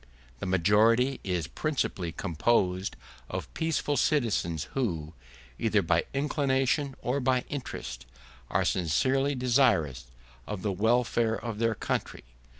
The majority is principally composed of peaceful citizens who, either by inclination or by interest, are sincerely desirous of the welfare of their country.